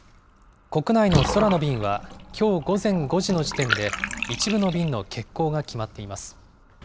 国内の空の便は、きょう午前５時の時点で一部の便の欠航が決まっています。